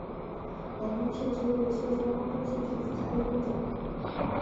广东绣球为绣球花科绣球属下的一个种。